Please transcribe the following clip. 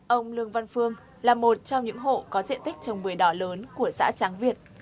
ông lương văn phương là một trong những hộ có diện tích trồng bưởi đỏ lớn của xã tráng việt